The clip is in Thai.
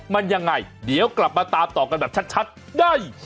มันยังไงเดี๋ยวกลับมาตามต่อกันแบบชัดได้